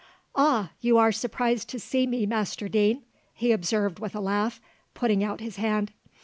"Ah, you are surprised to see me, Master Deane!" he observed with a laugh, putting out his hand.